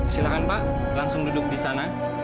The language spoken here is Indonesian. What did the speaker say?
silahkan pak langsung duduk di sana